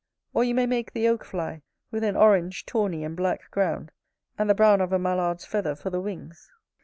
Or you may make the Oak fly: with an orange, tawny, and black ground; and the brown of a mallard's feather for the wings.